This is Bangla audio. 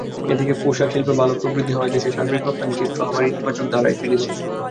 এদিকে পোশাকশিল্পে ভালো প্রবৃদ্ধি হওয়ায় দেশের সার্বিক রপ্তানির চিত্র আবার ইতিবাচক ধারায় ফিরেছে।